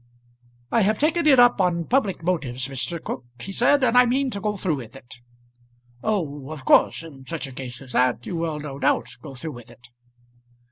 "I have taken it up on public motives, Mr. Cooke," he said, "and I mean to go through with it." "Oh, of course; in such a case as that you will no doubt go through with it?"